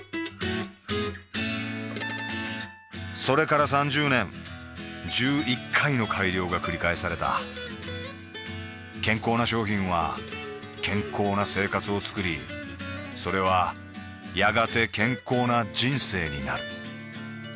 それから３０年１１回の改良がくり返された健康な商品は健康な生活をつくりそれはやがて健康な人生になる